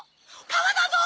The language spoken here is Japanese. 川だぞ！